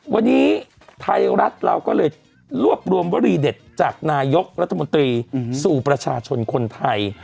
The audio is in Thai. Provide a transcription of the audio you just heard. วันนี้ไทยรัฐเราก็เลยรวบรวมวรีเด็ดจากนายกรัฐมนตรีสู่ประชาชนคนไทย